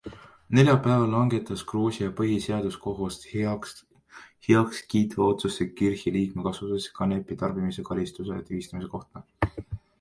Neljapäeval langetas Gruusia põhiseaduskohus heakskiitva otsuse Girchi liikme kaasuses kanepi tarbimise karistuste tühistamise kohta.